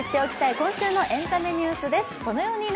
今週のエンタメニュースです。